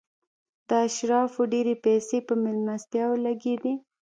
د اشرافو ډېرې پیسې په مېلمستیاوو لګېدې.